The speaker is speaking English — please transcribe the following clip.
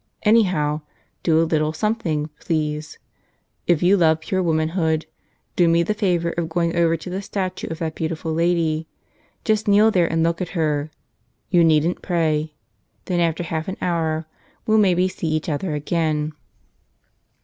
Anyhow, do a little something, please. If you love pure womanhood, do me the favor of going over to the statue of that beautiful lady. Just kneel there and look at her. You needn't pray. Then after half an hour we'll maybe see each other again."